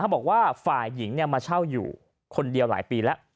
บอกว่าฝ่ายหญิงมาเช่าอยู่คนเดียวหลายปีแล้ว